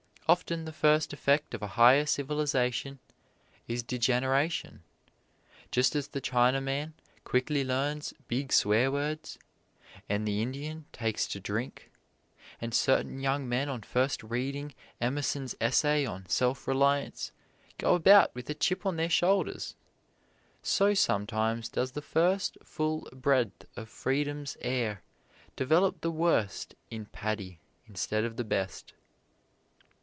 Often the first effect of a higher civilization is degeneration. Just as the Chinaman quickly learns big swear words, and the Indian takes to drink, and certain young men on first reading Emerson's essay on "Self Reliance" go about with a chip on their shoulders, so sometimes does the first full breath of freedom's air develop the worst in Paddy instead of the best.